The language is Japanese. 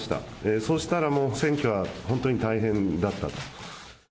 そしたらもう、選挙は本当に大変だった。